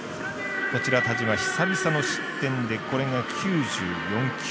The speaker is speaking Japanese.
田嶋、久々の失点でこれが９４球。